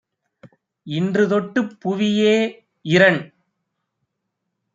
இன்றுதொட் டுப்புவியே - இரண்